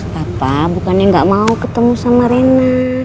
bapak bukannya gak mau ketemu sama rena